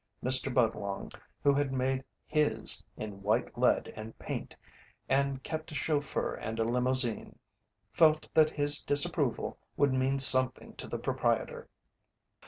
Mr. Budlong, who had made "his" in white lead and paint and kept a chauffeur and a limousine, felt that his disapproval would mean something to the proprietor.